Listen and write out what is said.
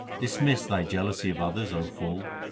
Dismiss thy jealousy of others, O fool.